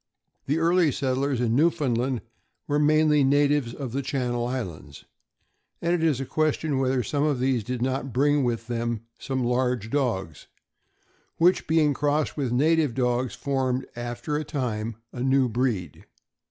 The early settlers in Newfoundland were mainly natives of the Channel Islands; and it is a question whether some of these did not bring with them some large dogs, which, being crossed with the native dogs, formed, after a time, a new breed.